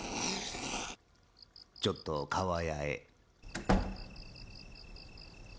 ・ちょっとかわやへ。